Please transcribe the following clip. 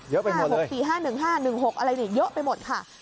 เยอะไปหมดเลย๖๔๕๑๕๑๖อะไรอีกเยอะไปหมดค่ะ